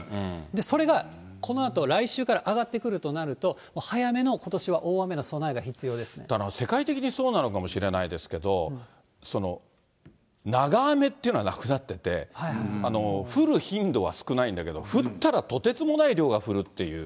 それがこのあと、来週から上がってくるとなると、もう早めの、だから世界的にそうなのかもしれないですけれども、長雨っていうのはなくなってて、降る頻度は少ないんだけども、降ったら、とてつもない量が降るっていう。